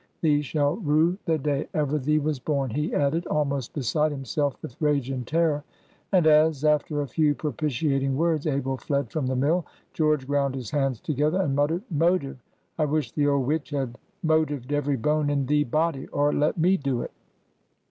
Thee shall rue the day ever thee was born!" he added, almost beside himself with rage and terror. And as, after a few propitiating words, Abel fled from the mill, George ground his hands together and muttered, "Motive! I wish the old witch had motived every bone in thee body, or let me do 't!"